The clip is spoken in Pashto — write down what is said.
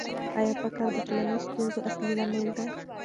آیا فقر د ټولنیزو ستونزو اصلي لامل دی؟